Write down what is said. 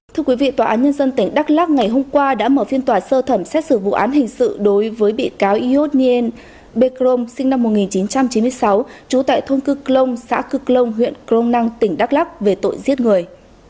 thưa quý vị tòa án nhân dân tỉnh đắk lắc ngày hôm qua đã mở phiên tòa sơ thẩm xét xử vụ án hình sự đối với bị cáo ionien begrom sinh năm một nghìn chín trăm chín mươi sáu trú tại thôn cực lông xã cực lông huyện crong năng tỉnh đắk lắc về tội giết người